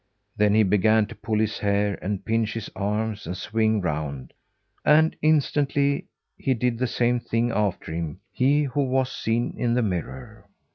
Then he began to pull his hair and pinch his arms and swing round; and instantly he did the same thing after him; he, who was seen in the mirror.